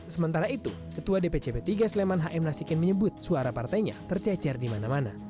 sementara itu ketua dpc p tiga sleman h m nasikin menyebut suara partainya tercecer di mana mana